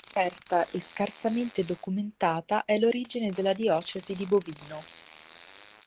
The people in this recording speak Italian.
Incerta e scarsamente documentata è l'origine della diocesi di Bovino.